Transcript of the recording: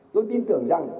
tôi tin tưởng rằng